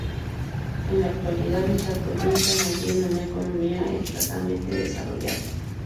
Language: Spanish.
En la actualidad, esta provincia mantiene una economía escasamente desarrollada.